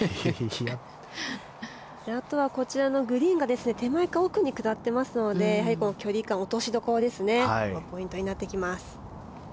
あとはこちらのグリーンが手前から奥に下っていますので落としどころがポイントになってきます。